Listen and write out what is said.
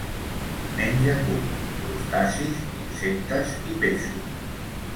Menja cucs, crustacis, insectes i peixos.